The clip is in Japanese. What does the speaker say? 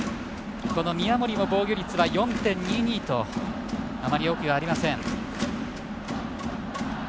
宮森も防御率は４．２２とあまりよくありません。